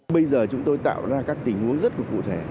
bây giờ chúng tôi tạo ra các tình huống rất cụ thể